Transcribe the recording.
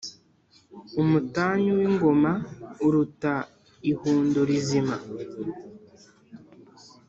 Umutanyu w’ingoma uruta ihundo rizima.